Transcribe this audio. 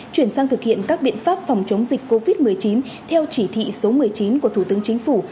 chuyển sang thực hiện các biện pháp phòng chống dịch covid một mươi chín theo chỉ thị số một mươi chín của thủ tướng chính phủ